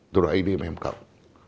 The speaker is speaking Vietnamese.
đồ admm cộng